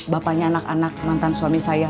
bapaknya anak anak mantan suami saya